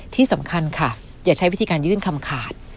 ที่สำคัญค่ะอย่าใช้วิธีการยื่นคำขาด